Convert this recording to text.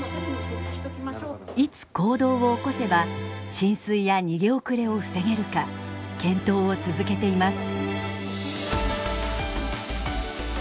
いつ行動を起こせば浸水や逃げ遅れを防げるか検討を続けています。